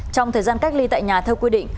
trong thời gian cách ly tại nhà theo quy định